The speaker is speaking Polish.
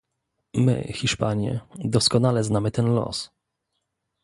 My Hiszpanie doskonale znamy ten los